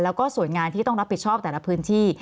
แล้วก็ส่วนงานที่ต้องรับผิดชอบแต่ละพื้นที่